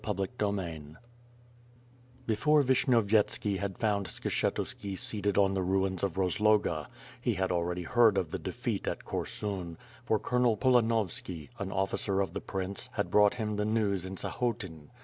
•• OHAPTER VL Before Vishnyovyetski had found Skshetuski seated on the ruins of Kosloga, he had already heard of the defeat at Kor sun, for Colonel Polanovski, an ollicer of the prince* had brought him the news in Sahotyn.